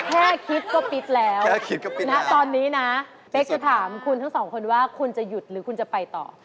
แค่คิดก็ปิดแล้วณตอนนี้นะเป๊กจะถามคุณทั้งสองคนว่าคุณจะหยุดหรือคุณจะไปต่อ